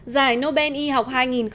giải nobel y học hai nghìn một mươi bảy